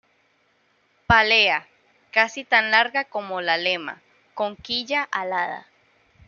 Pálea casi tan larga como la lema, con quilla alada.